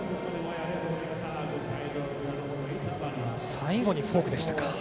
最後にフォークでしたか。